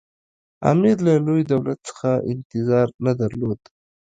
امیر له لوی دولت څخه انتظار نه درلود.